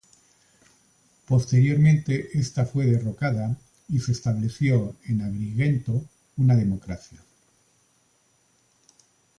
Posteriormente esta fue derrocada y se estableció en Agrigento una democracia.